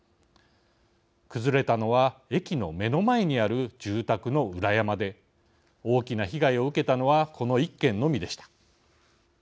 崩れたのは、駅の目の前にある住宅の裏山で大きな被害を受けたのはこの１軒のみでした。